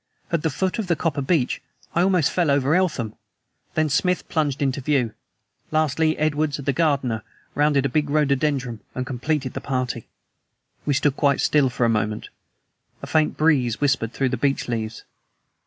At the foot of the copper beech I almost fell over Eltham. Then Smith plunged into view. Lastly, Edwards the gardener rounded a big rhododendron and completed the party. We stood quite still for a moment. A faint breeze whispered through the beech leaves.